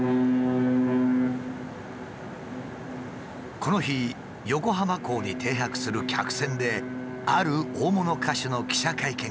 この日横浜港に停泊する客船である大物歌手の記者会見が開かれた。